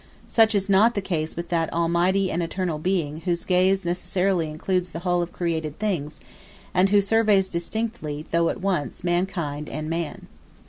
Such is not the case with that almighty and eternal Being whose gaze necessarily includes the whole of created things, and who surveys distinctly, though at once, mankind and man.